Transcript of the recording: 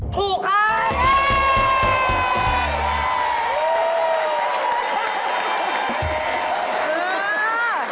ถูกค้าย